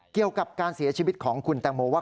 เกี่ยวกับการเสียชีวิตของคุณแตงโมว่า